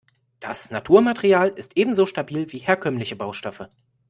Das Naturmaterial ist ebenso stabil wie herkömmliche Baustoffe.